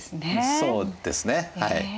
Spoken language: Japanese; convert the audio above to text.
そうですねはい。